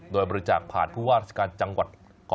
โดยบริจาคผ่านผู้ว่าราชการจังหวัดขอ